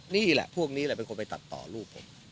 นี่แหละพวกนี้แหละเป็นคนไปตัดต่อลูกผม